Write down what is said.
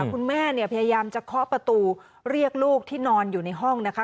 คุณแม่เนี่ยพยายามจะเคาะประตูเรียกลูกที่นอนอยู่ในห้องนะคะ